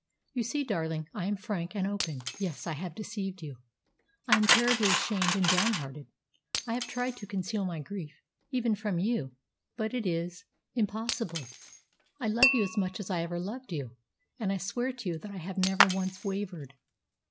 "You see, darling, I am frank and open. Yes, I have deceived you. I am terribly ashamed and downhearted. I have tried to conceal my grief, even from you; but it is impossible. I love you as much as I ever loved you, and I swear to you that I have never once wavered.